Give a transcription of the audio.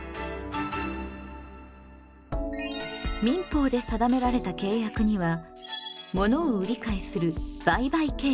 民法で定められた契約には物を売り買いする売買契約。